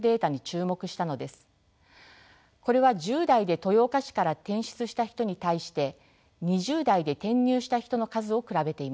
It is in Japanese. これは１０代で豊岡市から転出した人に対して２０代で転入した人の数を比べています。